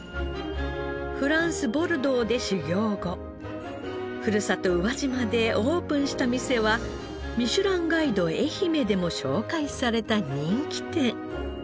フランスボルドーで修業後ふるさと宇和島でオープンした店は『ミシュランガイド愛媛』でも紹介された人気店。